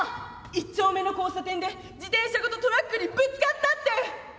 「一丁目の交差点で自転車ごとトラックにぶつかったって」。